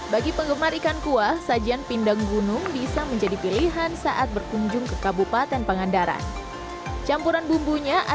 bagi pemula seperti saya mencoba berdiri di atas papan selancar ini